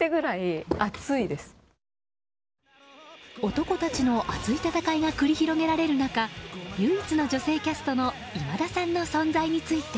男たちの熱い戦いが繰り広げられる中唯一の女性キャストの今田さんの存在について。